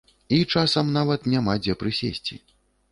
І часам нават няма дзе прысесці.